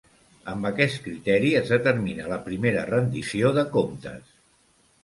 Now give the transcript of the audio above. Amb aquest criteri es determina la primera rendició de comptes.